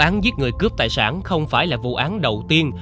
người cướp tài sản không phải là vụ án đầu tiên